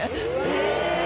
え！